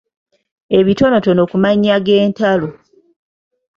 Ebitonotono ku mannya g’entalo.